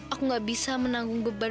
aku gak bisa menanggung beban